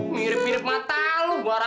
mulai bakal indah